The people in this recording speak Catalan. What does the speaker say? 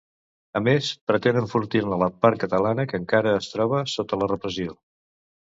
A més, pretén enfortir-ne la part catalana, que encara es troba sota la repressió.